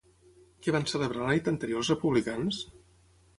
Què van celebrar la nit anterior els republicans?